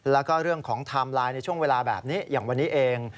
แล้วก็เรื่องของไทม์ไลน์ในช่วงเวลาแบบนี้อย่างวันนี้เอง